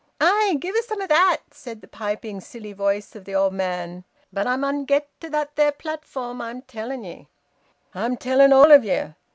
"Aye! Give us some o' that!" said the piping, silly voice of the old man. "But I mun' get to that there platform, I'm telling ye. I'm telling all of ye."